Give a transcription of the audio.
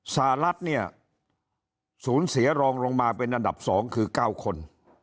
สหรัฐเนี่ยสูญเสียรองลงมาเป็นอันดับ๒คือ๙คน